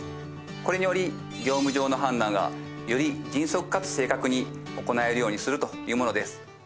これにより業務上の判断がより迅速かつ正確に行えるようにするというものです。